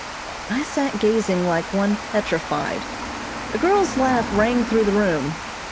I sat gazing like one petrified. The girl's laugh rang through the room.